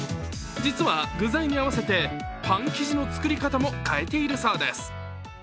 実は具材に合わせてパン生地の作り方も変えているそうです。